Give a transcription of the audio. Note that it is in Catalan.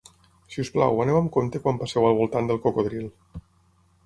Si us plau, aneu amb compte quan passeu al voltant del cocodril.